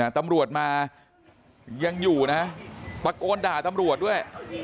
ตำรวจมายังอยู่นะตะโกนด่าตำรวจด้วย